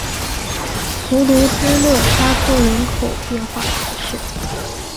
图卢兹勒沙托人口变化图示